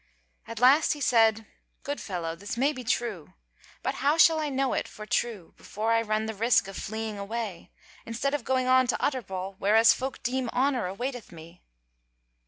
At last he said: "Good fellow, this may be true, but how shall I know it for true before I run the risk of fleeing away, instead of going on to Utterbol, whereas folk deem honour awaiteth me."